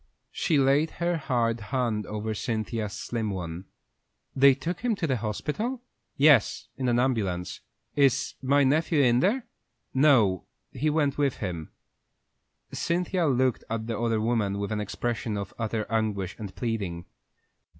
She laid her hard hand over Cynthia's slim one. "They took him to the hospital?" "Yes, in the ambulance." "Is my nephew in there?" "No; he went with him." Cynthia looked at the other woman with an expression of utter anguish and pleading.